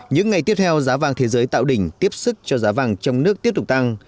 những ngày tiếp theo giá vàng thế giới tạo đỉnh tiếp sức cho giá vàng trong nước tiếp tục tăng